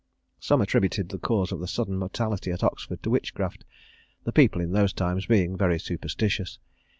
Some attributed the cause of the sudden mortality at Oxford to witchcraft, the people in those times being very superstitious.